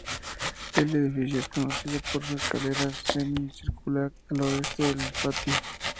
El edificio es conocido por su escalera semicircular al oeste del patio.